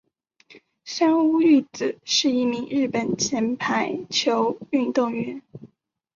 三屋裕子是一名日本前排球运动员。